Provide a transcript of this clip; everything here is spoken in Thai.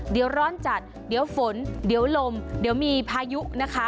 เดี๋ยวร้อนจัดเดี๋ยวฝนเดี๋ยวลมเดี๋ยวมีพายุนะคะ